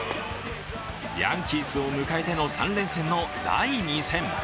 ヤンキースを迎えての３連戦の第２戦。